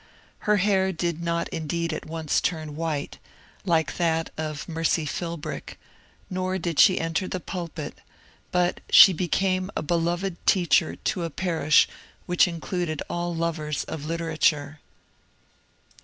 Her hair did not indeed at once turn white, like that of Mercy Philbrick, nor did she enter the pulpit, but she became a beloved teacher to a parish which included all lovers of lit PRESIDENT PIERCE 203 eratore.